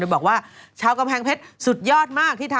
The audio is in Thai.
บอกว่าชาวกำแพงเพชรสุดยอดมาก